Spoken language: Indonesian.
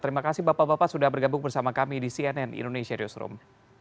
terima kasih bapak bapak sudah bergabung bersama kami di cnn indonesia newsroom